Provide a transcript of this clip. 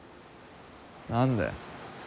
何で。